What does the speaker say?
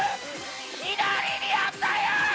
左にあったよ！！